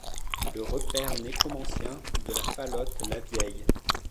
Le repaire nécromancien de la Fallotte Lavieille